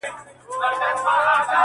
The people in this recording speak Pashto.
ستا د پښو ترپ ته هركلى كومه~